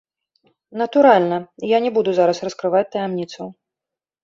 Натуральна, я не буду зараз раскрываць таямніцаў.